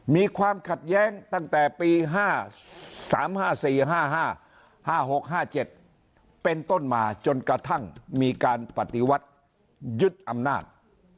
มีความขัดแย้งตั้งแต่ปี๕๓๕๔๕๕๖๕๗เป็นต้นมาจนกระทั่งมีการปฏิวัติยึดอำนาจ